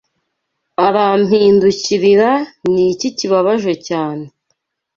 Arampindukirira Ni iki kibabaje cyane